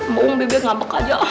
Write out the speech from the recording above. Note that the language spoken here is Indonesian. bungkul bibit ngambek aja